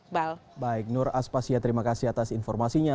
baik nur aspasya terima kasih atas informasinya